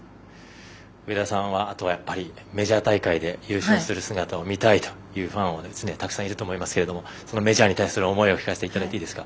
上田さんはあとはメジャー大会で優勝する姿を見たいというファンがたくさんいると思いますがメジャーに対する思いを聞かせていただいてもいいですか。